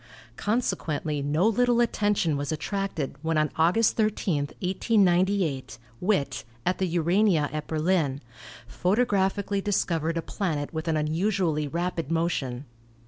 Consequently no little attention was attracted when on August 13, 1898, Witt, at the Urania at Berlin, photographically discovered a planet with an unusually rapid motion.